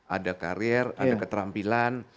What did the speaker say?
ada karir ada keterampilan